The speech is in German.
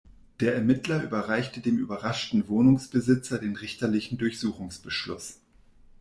Der Ermittler überreichte dem überraschten Wohnungsbesitzer den richterlichen Durchsuchungsbeschluss.